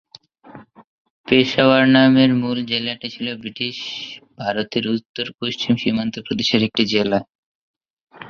পেশাওয়ার নামের মূল জেলাটি ছিল ব্রিটিশ ভারতের উত্তর-পশ্চিম সীমান্ত প্রদেশের একটি জেলা।